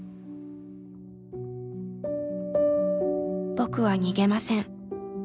「僕は逃げません」。